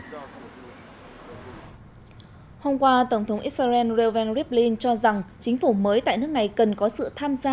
hôm qua tổng thống israel reuven rivlin cho rằng chính phủ mới tại nước này cần có sự tham gia